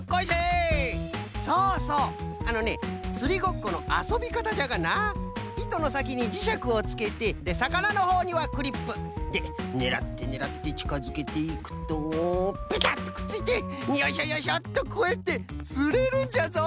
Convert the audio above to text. そうそうあのねつりごっこのあそびかたじゃがないとのさきにじしゃくをつけてでさかなのほうにはクリップ。でねらってねらってちかづけていくとピタッとくっついてよいしょよいしょとこうやってつれるんじゃぞ！